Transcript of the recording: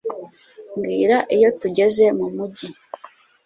Mbwira iyo tugeze mu mujyi